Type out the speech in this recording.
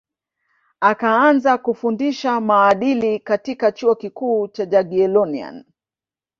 akaanza kufundisha maadili katika chuo kikuu cha jagiellonian